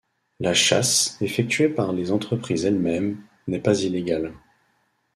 La chasse effectuée par les entreprises elle-même n'est pas illégale.